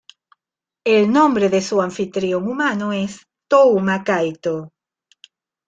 El nombre de su anfitrión humano es Touma Kaito.